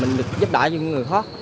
mình được giúp đỡ cho những người khó